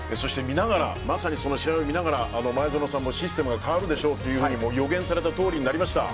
まさに、その試合を見ながら前園さんもシステムが変わるでしょうと予言されたとおりになりました。